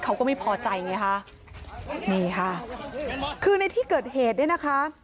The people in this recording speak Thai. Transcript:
เขาก็ไม่พอใจไงค่ะนี่ค่ะคือในที่เกิดเหตุเนี่ยนะคะ